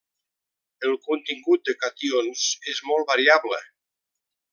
El contingut de cations és molt variable.